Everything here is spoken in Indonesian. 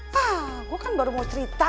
wah gue kan baru mau cerita